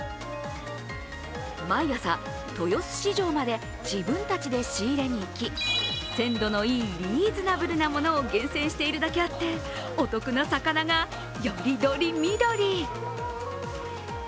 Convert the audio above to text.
毎朝、豊洲市場まで自分たちで仕入れに行き鮮度のいいリーズナブルなものを厳選してるだけあってお得な魚がより取り見取り。